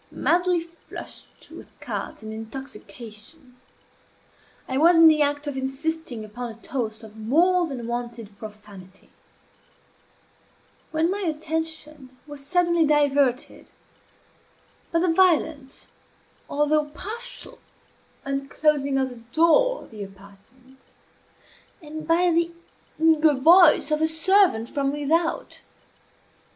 Madly flushed with cards and intoxication, I was in the act of insisting upon a toast of more than wonted profanity, when my attention was suddenly diverted by the violent, although partial, unclosing of the door of the apartment, and by the eager voice of a servant from without.